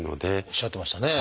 おっしゃってましたね。